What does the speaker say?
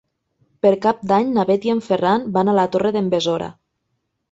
Per Cap d'Any na Bet i en Ferran van a la Torre d'en Besora.